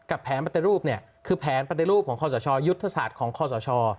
แผนปฏิรูปเนี่ยคือแผนปฏิรูปของคอสชยุทธศาสตร์ของคอสช